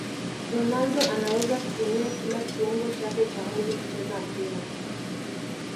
ronaldo anaweza kutumia kila kiungo chake cha mwili kucheza mpira